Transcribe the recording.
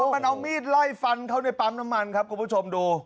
มันเอามีดไล่ฟันเขาในปั๊มน้ำมันครับคุณผู้ชมดู